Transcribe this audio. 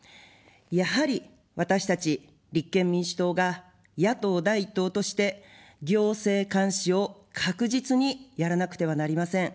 やはり私たち立憲民主党が野党第１党として行政監視を確実にやらなくてはなりません。